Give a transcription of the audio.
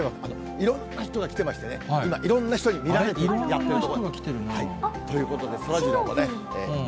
いろんな人が来てましてね、今、いろんな人に見られて、やっているところ、ということでそらジローが。